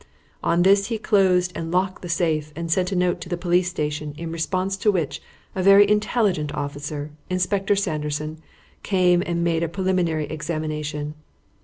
On this he closed and locked the safe and sent a note to the police station, in response to which a very intelligent officer Inspector Sanderson came and made a preliminary examination.